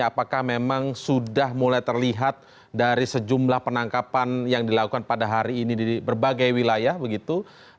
apakah memang sudah mulai terlihat dari sejumlah penangkapan yang dilakukan pada hari ini di berbagai wilayah begitu